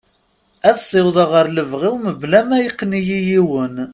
Ad siwḍeɣ ɣer lebɣi-w mebla ma yeqqen-iyi yiwen.